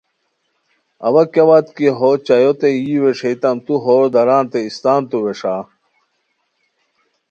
اوا کیاوت کی ہو چایوتے یی ویݰیتام تو ہو دارانتے اِستانتو ویݰا